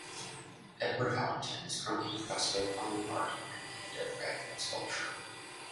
Edward Allington is currently a Professor of Fine Art and Head of Graduate Sculpture.